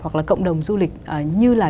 hoặc là cộng đồng du lịch như là